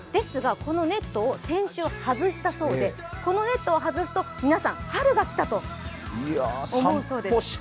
先週、このネットを外したそうでこのネットを外すと皆さん春が来たと思うそうです。